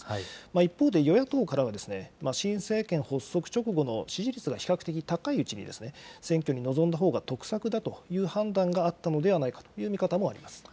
一方で与野党からは、新政権発足直後の支持率が比較的高いうちに、選挙に臨んだほうが得策だという判断があったのではないかという見方もあります。